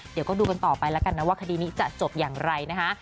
เดี๋ยวก็ดูกันต่อไปแล้วกันนะว่าคดีนี้จะจบอย่างไรนะคะ